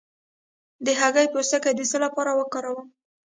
د هګۍ پوستکی د څه لپاره وکاروم؟